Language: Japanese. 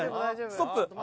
ストップ。